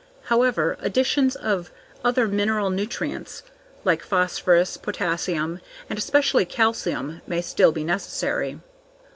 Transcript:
However, additions of other mineral nutrients like phosphorus, potassium, and especially calcium may still be necessary.